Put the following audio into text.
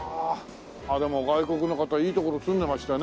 でも外国の方いい所住んでましたね。